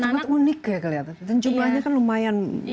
cukup unik ya kelihatan dan jumlahnya kan lumayan banyak ya